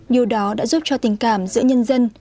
điều đó đã giúp cho tình cảm giữa nhân dân